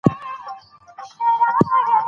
هر څوک کولای شي بدلون راولي.